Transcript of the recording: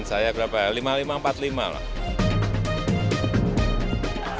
saya berapa ya lima ribu lima ratus empat puluh lima lah